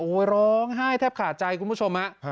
โอ้โหร้องไห้แทบขาดใจคุณผู้ชมฮะ